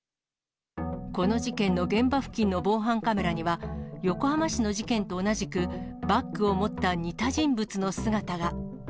この事件の現場付近の防犯カメラには、横浜市の事件と同じく、バッグを持った似た人物の姿が。